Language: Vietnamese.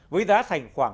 với giá thành khoảng